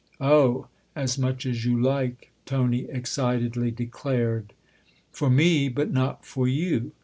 Oh, as much as you like !" Tony excitedly declared. " For me, but not for you.